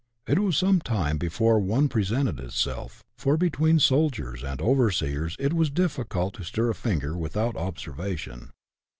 It was some time before one presented itself, for between soldiers and overseers it was difficult to stir a finger without observation.